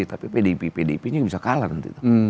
tapi pdip pdip nya bisa kalah nanti